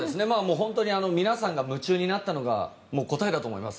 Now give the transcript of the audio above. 本当に皆さんが夢中になったのが答えだと思います。